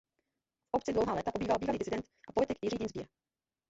V obci dlouhá léta pobýval bývalý disident a politik Jiří Dienstbier.